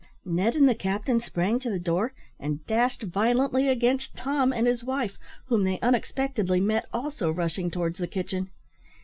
Ned and the captain sprang to the door, and dashed violently against Tom and his wife, whom they unexpectedly met also rushing towards the kitchen.